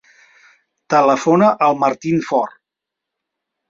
Telefona al Martín Fort.